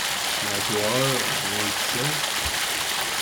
L’empereur… on le sait…